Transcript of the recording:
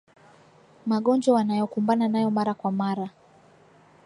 magonjwa wanayokumbana nayo mara kwa mara